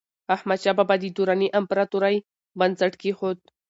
احمدشاه بابا د دراني امپراتورۍ بنسټ کېښود.